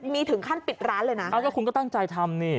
มีถึงขั้นปิดร้านเลยนะอ้าวก็คุณก็ตั้งใจทำนี่